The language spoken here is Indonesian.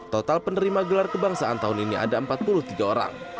total penerima gelar kebangsaan tahun ini ada empat puluh tiga orang